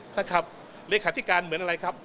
นะครับเลขาธิการเหมือนอะไรครับ